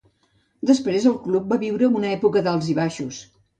Després, el club va viure una època d'alts i baixos.